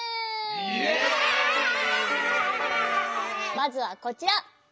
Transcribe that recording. まずはこちら。